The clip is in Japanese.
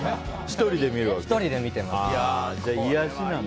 １人で見てます。